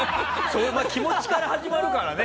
気持ちから始まるからね。